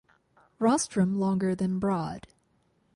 Rostrum longer than broad.